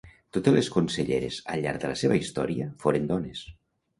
Totes les conselleres al llarg de la seva història foren dones.